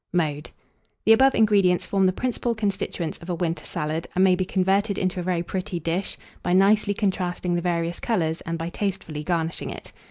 Mode. The above ingredients form the principal constituents of a winter salad, and may be converted into a very pretty dish, by nicely contrasting the various colours, and by tastefully garnishing it.